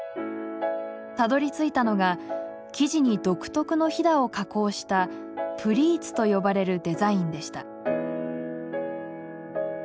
たどりついたのが生地に独特のひだを加工した「プリーツ」と呼ばれるデザインでした。